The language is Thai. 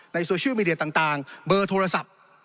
โซเชียลมีเดียต่างเบอร์โทรศัพท์